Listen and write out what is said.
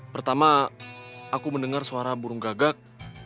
pertama aku mendengar suara burung gagak